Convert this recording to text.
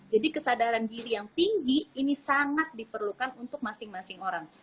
jadi kesadaran diri yang tinggi ini sangat diperlukan untuk masing masing orang